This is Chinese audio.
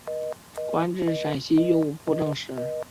官至陕西右布政使。